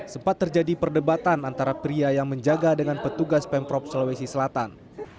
sempat terjadi perdebatan antara pria yang menjaga dengan petugas pemprov sulawesi selatan